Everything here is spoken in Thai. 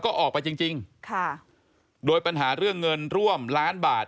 ก็ออกไปจริงจริงค่ะโดยปัญหาเรื่องเงินร่วมล้านบาท